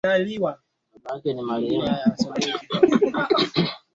nadra kupaka miili mafuta na damu ya ngombe aliyechinjwa Ishirini na moja Mazishi ya